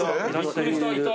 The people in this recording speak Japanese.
いた。